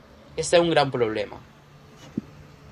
E ese é un gran problema.